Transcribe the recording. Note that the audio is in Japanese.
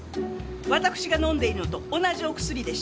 わたくしが飲んでいるのと同じお薬でした。